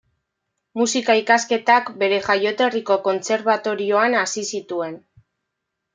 Musika-ikasketak bere jaioterriko kontserbatorioan hasi zituen.